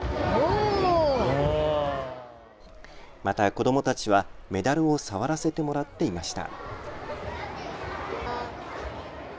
また子どもたちはメダルを触らせてもらっていました。